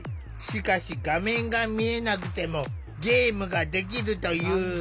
しかし画面が見えなくてもゲームができるという。